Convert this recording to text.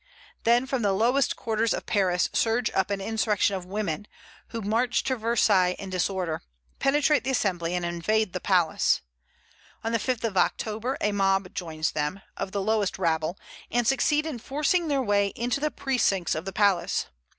Then from the lowest quarters of Paris surge up an insurrection of women, who march to Versailles in disorder, penetrate the Assembly, and invade the palace. On the 5th of October a mob joins them, of the lowest rabble, and succeed in forcing their way into the precincts of the palace.